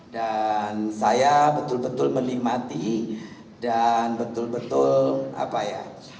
dan saya betul betul menikmati dan betul betul apa ya